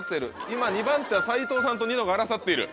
今２番手は斎藤さんとニノが争っている。